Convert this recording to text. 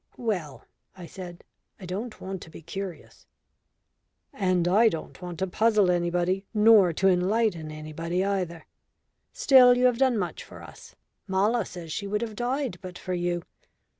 "Well," I said, "I don't want to be curious." "And I don't want to puzzle anybody, nor to enlighten anybody either. Still, you've done much for us Mala says she would have died but for you.